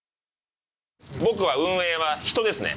僕は運営は人ですね。